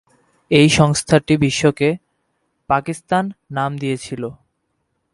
এই সংস্থাটি বিশ্বকে "পাকিস্তান" নাম দিয়েছিল।